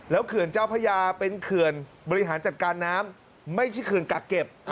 เขื่อนเจ้าพระยาเป็นเขื่อนบริหารจัดการน้ำไม่ใช่เขื่อนกักเก็บ